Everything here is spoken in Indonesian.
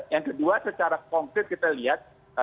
yang kedua secara konkret kita lihat